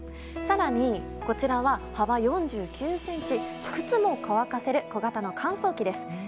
更に、こちらは幅４９ｃｍ靴も乾かせる小型の乾燥機です。